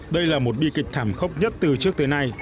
đây là một bi kịch thảm khốc nhất từ trước tới nay